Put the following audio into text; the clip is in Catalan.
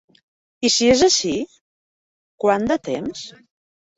I si és així, quant de temps?